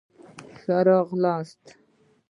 ښه راغلاست.